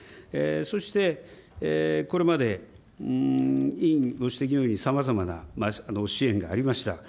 そしてこれまで委員ご指摘のように、さまざまな支援がありました。